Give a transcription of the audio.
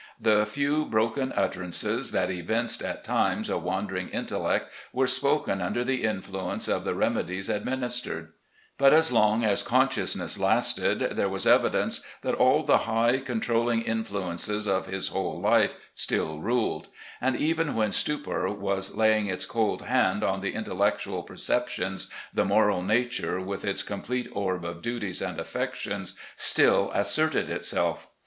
The few broken utterances that evinced at times a wandering intellect were spoken under the influence of the remedies administered; but as long as consciousness lasted there was evidence that all the high, controlling influences of his whole life still ruled; and even when stupor was laying its cold hand on the intellectual per ceptions, the moral nature, with its complete orb of duties and affections, still asserted itself.